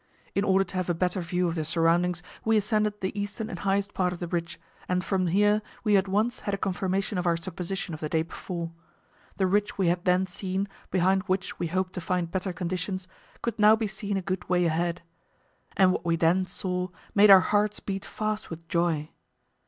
In order to have a better view of the surroundings we ascended the eastern and highest part of the ridge, and from here we at once had a confirmation of our supposition of the day before. The ridge we had then seen, behind which we hoped to find better conditions, could now be seen a good way ahead. And what we then saw made our hearts beat fast with joy.